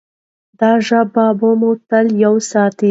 دا ژبه به مو تل یوه ساتي.